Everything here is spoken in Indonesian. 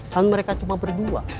kan mereka cuma berdua